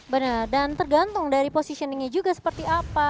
benar dan tergantung dari positioningnya juga seperti apa